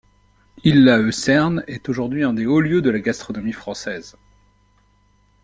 Illhaeusern est aujourd'hui un des hauts lieux de la gastronomie française.